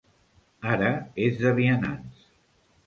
Ara és de vianants.